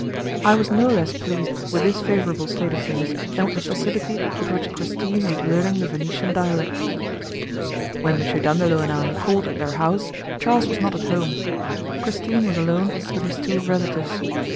I was no less pleased with this favourable state of things than with the facility with which Christine was learning the Venetian dialect. When M. Dandolo and I called at their house, Charles was not at home; Christine was alone with his two relatives.